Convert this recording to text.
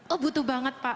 oh butuh banget pak